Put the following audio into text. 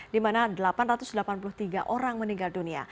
di mana delapan ratus delapan puluh tiga orang meninggal dunia